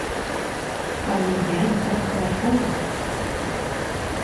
Але я не падказвала.